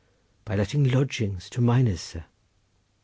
—By letting lodgings to miners, sir.